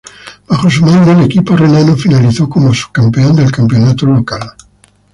Bajo su mando, el equipo renano finalizó como subcampeón del campeonato local.